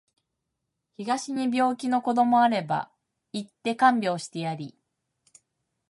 東に病気の子どもあれば行って看病してやり